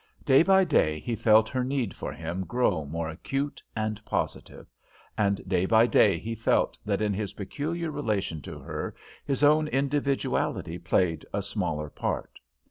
Day by day he felt her need for him grow more acute and positive; and day by day he felt that in his peculiar relation to her, his own individuality played a smaller part.